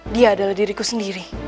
dia adalah diriku sendiri